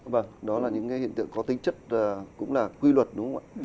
vâng đó là những hiện tượng có tính chất cũng là quy luật đúng không ạ